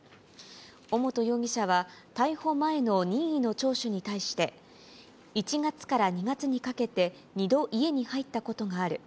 尾本容疑者は、逮捕前の任意の聴取に対して、１月から２月にかけて２度、家に入ったことがある。